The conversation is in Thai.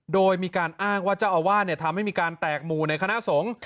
โดยมีการอ้างว่าเจ้าอาวาสทำให้มีการแตกหมู่ในคณะสงฆ์